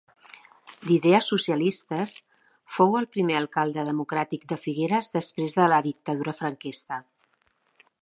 D’idees socialistes, fou el primer alcalde democràtic de Figueres després de la dictadura franquista.